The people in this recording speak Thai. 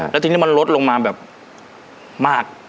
แล้วทีนี้มันลดลงมาแบบมาก